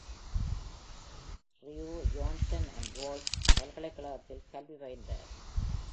LaRue Johnson and Wales பல்கலைக்கழகத்தில் கல்வி பயின்றார்.